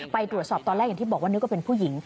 ไปตรวจสอบตอนแรกอย่างที่บอกว่านึกว่าเป็นผู้หญิง